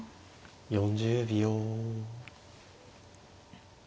４０秒。